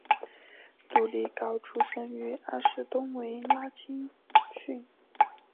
杜利高出身于阿士东维拉青训。